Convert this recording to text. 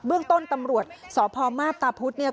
เรื่องต้นตำรวจสพมาพตาพุธเนี่ย